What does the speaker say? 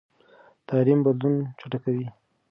تعلیم بدلون چټکوي.